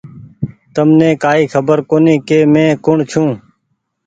تمني ڪآئي خبر ڪوُني ڪ مينٚ ڪوٚڻ ڇوٚنٚ